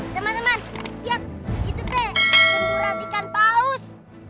teman teman lihat itu teh kumpulan ikan paus